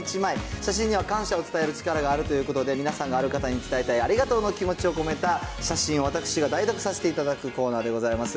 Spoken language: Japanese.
写真には感謝を伝える力があるということで、皆さんがある方に伝えたいありがとうの気持ちを込めた写真を私が代読させていただくコーナーでございます。